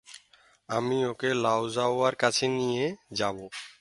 আমি ওকে লাও ঝাঁওয়ের কাছে নিয়ে যাবো।